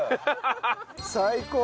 最高。